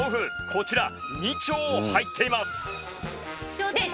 こちら２丁入っています。